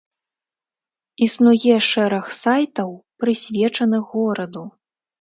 Існуе шэраг сайтаў, прысвечаных гораду.